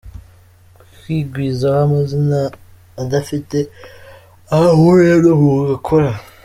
Kwigwizaho amazina adafite aho ahuriye n’ umwuga akora.